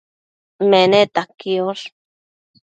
Meneta quiosh